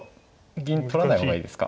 銀取らない方がいいですか。